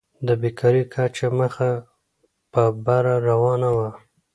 د بېکارۍ کچه مخ په بره روانه وه.